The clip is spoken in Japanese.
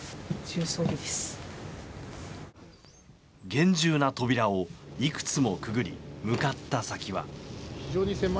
厳重な扉をいくつもくぐり向かった先は。